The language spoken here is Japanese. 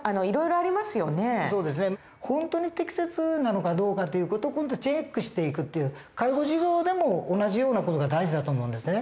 本当に適切なのかどうかっていう事をチェックしていくっていう介護事業でも同じような事が大事だと思うんですね。